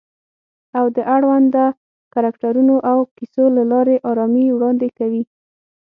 او د اړونده کرکټرونو او کیسو له لارې آرامي وړاندې کوي